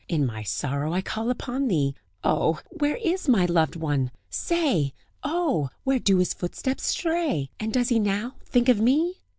In my sorrow I call upon thee; Oh! where is my loved one? say! Oh! where do his footsteps stray? And does he now think of me?"